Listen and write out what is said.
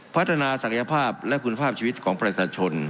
พัฒนาศักยภาพและคุณภาพชีวิตของประชาชน